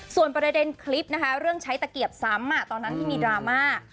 ส่วนประเด็นคลิปนะคะเรื่องใช้ตะเกียบซ้ำตอนนั้นที่มีดราม่า